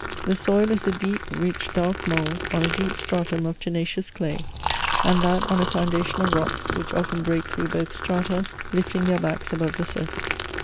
"The soil is a deep, rich, dark mould, on a deep stratum of tenacious clay; and that on a foundation of rocks, which often break through both strata, lifting their backs above the surface.